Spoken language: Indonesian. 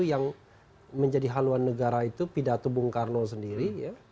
yang menjadi haluan negara itu pidato bung karno sendiri